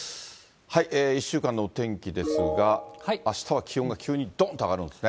１週間のお天気ですが、あしたは気温が急にどんと上がるんですね。